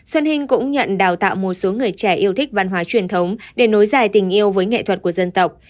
xuân hinh cũng nhận đào tạo một số người trẻ yêu thích văn hóa truyền thống để nối dài tình yêu với nghệ thuật của dân tộc